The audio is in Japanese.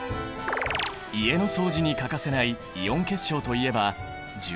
家の掃除に欠かせないイオン結晶といえば重曹。